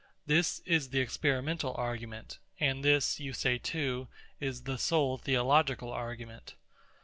This is the experimental argument; and this, you say too, is the sole theological argument.